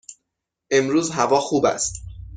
امروز هوا خوب است.